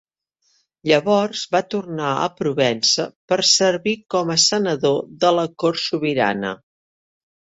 Llavors va tornar a Provença per servir com a senador de la cort sobirana.